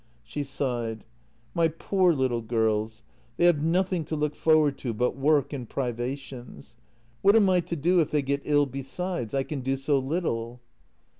She sighed. " My poor little girls, they 126 JENNY have nothing to look forward to but work and privations. What am I to do if they get ill besides? I can do so little."